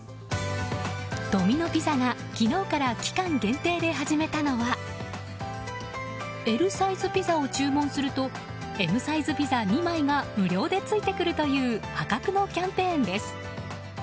ドミノピザが昨日から期間限定で始めたのはＬサイズピザを注文するとＭサイズピザ２枚が無料でついてくるという破格のキャンペーンです。